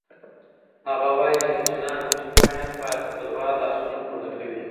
هغه وایي چې د چنار وچې پاڼې هم په دعا لاسونه پورته کوي.